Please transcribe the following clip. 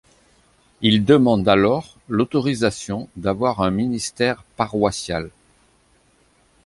Il demande alors l'autorisation d'avoir un ministère paroissial.